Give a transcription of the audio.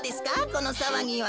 このさわぎは。